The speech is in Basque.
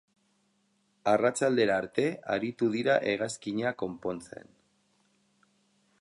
Arratsaldera arte aritu dira hegazkina konpontzen.